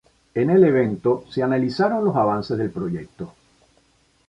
En el evento se analizaron los avances del proyecto.